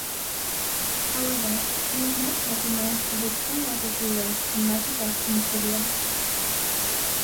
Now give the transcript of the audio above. However, he was most recognized for his choreography work in Michael Jackson's videos.